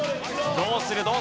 どうする？